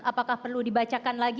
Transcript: apakah perlu dibacakan lagi